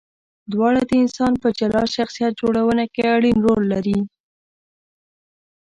دواړه د انسان په جلا شخصیت جوړونه کې اړین رول لري.